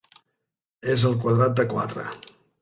És el quadrat de quatre.